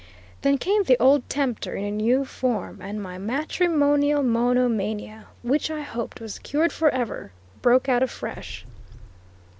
Then came the old tempter in a new form, and my matrimonial monomania, which I hoped was cured forever, broke out afresh.